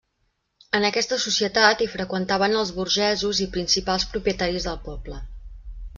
En aquesta societat hi freqüentaven els burgesos i principals propietaris del poble.